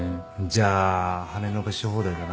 じゃあ羽伸ばし放題だな。